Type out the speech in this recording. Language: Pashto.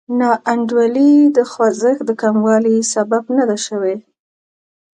ناانډولي د خوځښت د کموالي سبب نه ده شوې.